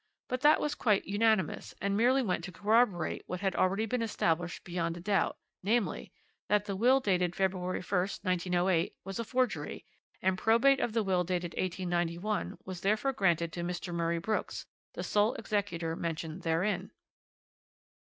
But that was quite unanimous, and merely went to corroborate what had already been established beyond a doubt, namely, that the will dated February 1st, 1908, was a forgery, and probate of the will dated 1891 was therefore granted to Mr. Murray Brooks, the sole executor mentioned therein."